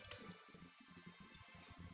setiap senulun buat